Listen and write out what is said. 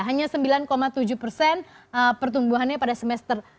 hanya sembilan tujuh persen pertumbuhannya pada semester